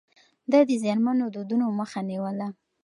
ده د زيانمنو دودونو مخه نيوله.